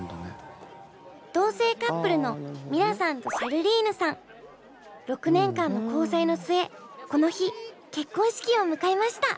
同性カップルの６年間の交際の末この日結婚式を迎えました！